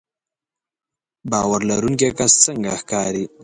باور لرونکی کس څنګه ښکاري